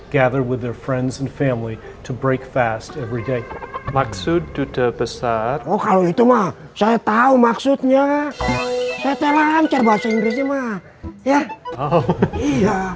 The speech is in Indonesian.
yang berkumpul dengan teman dan keluarga mereka untuk berjalan dengan cepat setiap hari